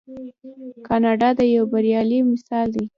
کاناډا یو بریالی مثال دی.